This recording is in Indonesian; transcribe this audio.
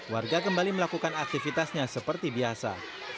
warga kembali melakukan aktivitasnya seperti biasa